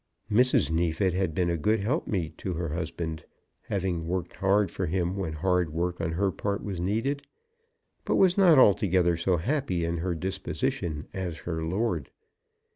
Mrs. Neefit had been a good helpmate to her husband, having worked hard for him when hard work on her part was needed, but was not altogether so happy in her disposition as her lord.